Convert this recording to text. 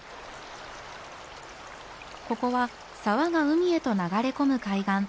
ここは沢が海へと流れ込む海岸。